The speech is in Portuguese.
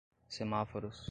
semáforos